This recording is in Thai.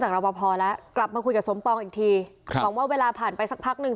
รอปภแล้วกลับมาคุยกับสมปองอีกทีครับหวังว่าเวลาผ่านไปสักพักหนึ่ง